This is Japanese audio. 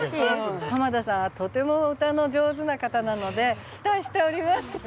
濱田さんはとても歌の上手な方なので期待しております。